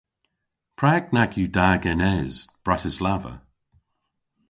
Prag nag yw da genes Bratislava?